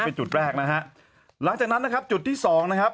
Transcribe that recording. เป็นจุดแรกนะฮะหลังจากนั้นนะครับจุดที่สองนะครับ